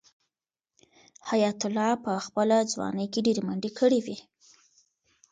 حیات الله په خپله ځوانۍ کې ډېرې منډې کړې وې.